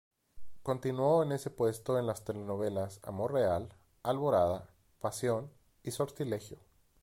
Continuó en ese puesto en las telenovelas "Amor real", "Alborada", "Pasión" y "Sortilegio".